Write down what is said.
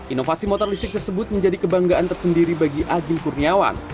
inovasi motor listrik tersebut menjadi kebanggaan tersendiri bagi aging kurniawan